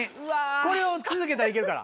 これを続けたら行けるから。